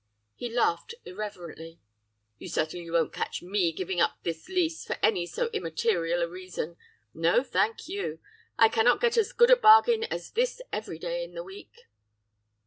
He laughed irreverently, 'You certainly won't catch me giving up this lease for any so immaterial a reason. No, thank you! I cannot get as good a bargain as this every day in the week!